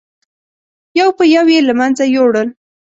یو په یو یې له منځه یووړل.